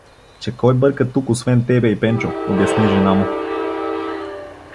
— Че кой бърка тук освен тебе и Пенчо? — обясни жена му.